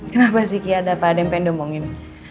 kenapa sih kiki ada apa ada yang pengen domongin